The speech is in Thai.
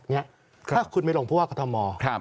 ถ้าคุณไม่ลงผู้ว่ากรทม